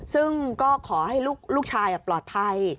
ซึ่งก็ขอให้ลูกชายปลอดภัย